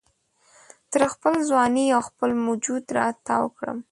تر خپل ځوانۍ او خپل وجود را تاو کړم